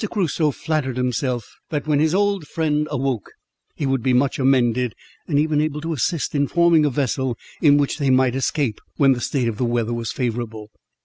Crusoe flattered himself that when his old friend awoke, he would be much amended, and even able to assist in forming a vessel in which they might escape, when the state of the weather was favourable.